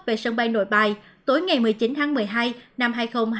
về sân bay nội bài tối ngày một mươi chín tháng một mươi hai năm hai nghìn hai mươi